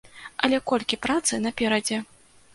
Але колькі працы наперадзе?